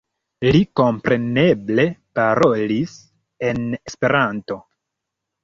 Li kompreneble parolis en Esperanto.